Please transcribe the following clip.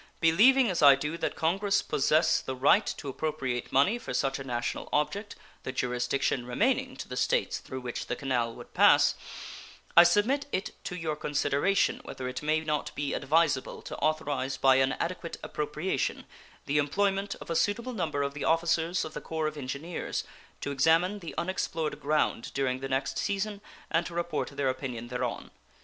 Believing as I do that Congress possess the right to appropriate money for such a national object (the jurisdiction remaining to the States through which the canal would pass), I submit it to your consideration whether it may not be advisable to authorize by an adequate appropriation the employment of a suitable number of the officers of the Corps of Engineers to examine the unexplored ground during the next season and to report their opinion thereon.